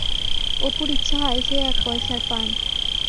অপুর ইচ্ছা হয় সে এক পয়সার পান।